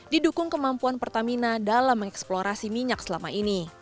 didukung kemampuan pertamina dalam mengeksplorasi minyak selama ini